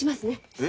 え？